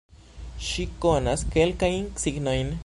Ŝi konas kelkajn signojn